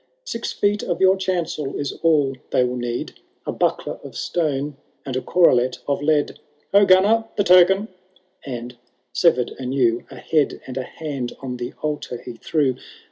Six feet of your chancel is all they will need, ^ A buckler of stone and a corslet of lead. * Ho, Gunnar !— ^the token ! ''—and, sever'd anew, A head and a hand on the altar he threw.